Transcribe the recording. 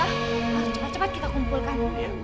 harus cepat cepat kita kumpulkan